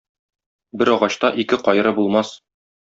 Бер агачта ике кайры булмас.